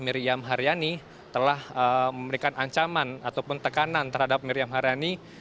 miriam haryani telah memberikan ancaman ataupun tekanan terhadap miriam haryani